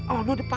oh di depan